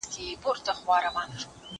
زه پرون سپينکۍ پرېولم وم!!